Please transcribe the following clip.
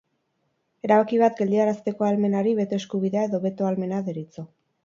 Erabaki bat geldiarazteko ahalmenari beto-eskubidea edo beto-ahalmena deritzo.